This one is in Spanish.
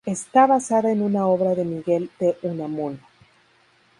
Está basada en una obra de Miguel de Unamuno.